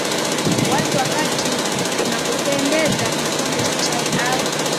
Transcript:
wazi wakati unapopendeza kikombe cha chai au